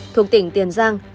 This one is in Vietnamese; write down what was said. thuộc tỉnh tiền giang